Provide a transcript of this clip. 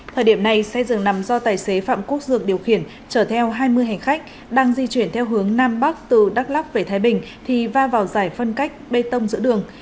thời điểm này xe dường nằm do tài xế phạm quốc dược điều khiển chở theo hai mươi hành khách đang di chuyển theo hướng nam bắc từ đắk lắc về thái bình thì va vào giải phân cách bê tông giữa đường